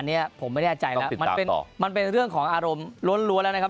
อันนี้ผมไม่แน่ใจแล้วมันเป็นเรื่องของอารมณ์ล้วนแล้วนะครับ